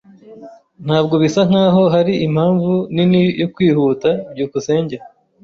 Ntabwo bisa nkaho hari impamvu nini yo kwihuta. byukusenge